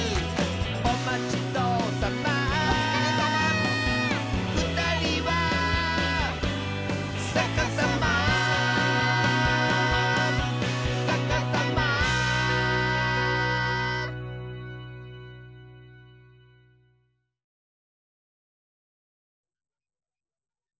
「おまちどおさま」「おつかれさま」「ふたりはさかさま」「さかさま」さっそくスタート！